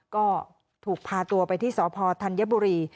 ก็ถูกพาตัวไปที่สพธัญบุรี